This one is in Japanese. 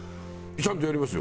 ちゃんとやりますよ。